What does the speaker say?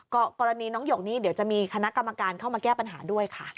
กรณีน้องหยกนี้เดี๋ยวจะมีคณะกรรมการเข้ามาแก้ปัญหาด้วยค่ะ